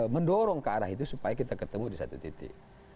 mendorong ke arah itu supaya kita ketemu di satu titik